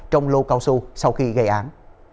trong lô cao su sau khi gây án